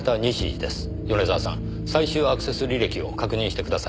米沢さん最終アクセス履歴を確認してください。